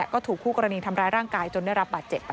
ก็ถูกคู่กรณีทำร้ายร่างกายจนได้รับบาดเจ็บ